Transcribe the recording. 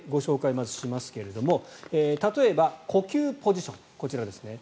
まずしますが例えば呼吸ポジションこちらですね。